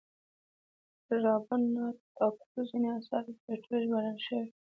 د رابندر ناته ټاګور ځینې اثار په پښتو ژباړل شوي.